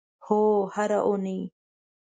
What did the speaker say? هو، هره اونۍ